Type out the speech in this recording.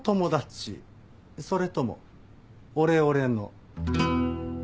それともオレオレの？